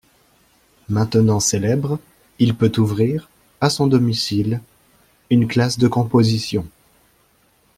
Maintenant célèbre, il peut ouvrir, à son domicile, une classe de composition.